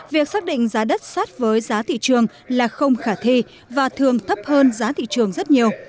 việc xác định giá đất sát với giá thị trường là không khả thi và thường thấp hơn giá thị trường rất nhiều